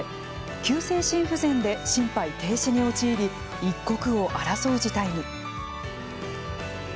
急性心不全で心肺停止に陥り一刻を争う事態に。